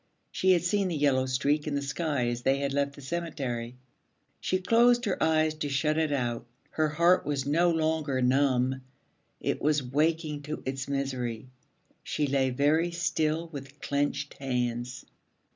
She had seen the yellow streak in the sky as they had left the cemetery. She closed her eyes to shut it out. Her heart was no longer numb. It was waking to its misery. She lay very still with clenched hands.